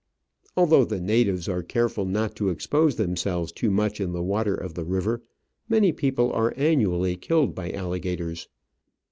Although the natives are careful not to expose themselves too much in the w^ater of the river, many people are annually killed by alligators.